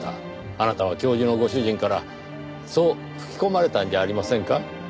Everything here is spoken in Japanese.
あなたは教授のご主人からそう吹き込まれたんじゃありませんか？